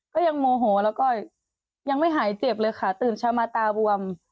ก็ยังโมโหแล้วก็ยังไม่หายเจ็บเลยค่ะตื่นเช้ามาตาบวม